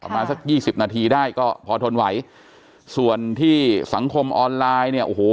มาสักยี่สิบนาทีได้ก็พอทนไหวส่วนที่สังคมออนไลน์เนี่ยโอ้โห